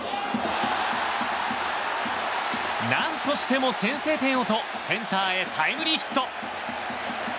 何としても先制点をとセンターへタイムリーヒット。